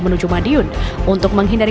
menuju madiun untuk menghindari